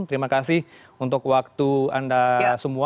terima kasih untuk waktu anda semua